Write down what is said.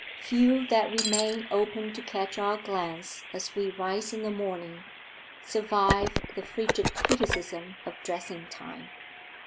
Few that remain open to catch our glance as we rise in the morning, survive the frigid criticism of dressing time.